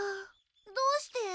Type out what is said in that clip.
どうして？